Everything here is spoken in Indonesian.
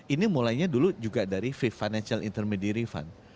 ini mulainya dulu juga dari fit financial intermediary fund